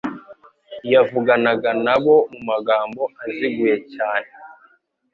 Yavuganaga na bo mu magambo aziguye cyane.